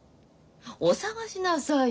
お探しなさいよ。